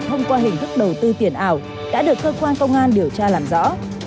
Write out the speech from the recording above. thông qua hình thức đầu tư tiền ảo đã được cơ quan công an điều tra làm rõ